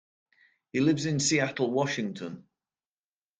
He lives in Seattle, Washington.